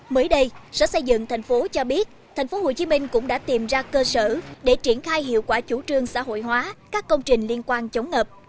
mới đây sở xây dựng thành phố cho biết tp hcm cũng đã tìm ra cơ sở để triển khai hiệu quả chủ trương xã hội hóa các công trình liên quan chống ngập